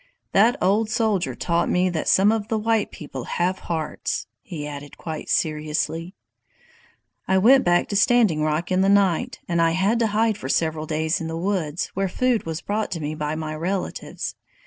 That old soldier taught me that some of the white people have hearts," he added, quite seriously. "I went back to Standing Rock in the night, and I had to hide for several days in the woods, where food was brought to me by my relatives.